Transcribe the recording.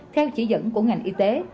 theo chỉ dẫn của ngành y tế